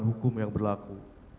hukum yang berlaku